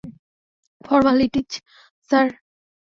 Formalities, sir.